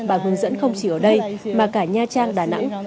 bà hướng dẫn không chỉ ở đây mà cả nha trang đà nẵng